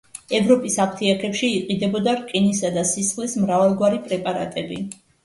ევროპის აფთიაქებში იყიდებოდა რკინისა და სისხლის მრავალგვარი პრეპარატები.